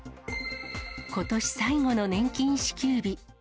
ことし最後の年金支給日。